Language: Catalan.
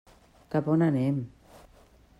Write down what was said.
Cap a on anem?